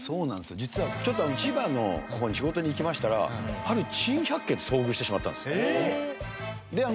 実はちょっと千葉の方に仕事に行きましたらある珍百景に遭遇してしまったんです。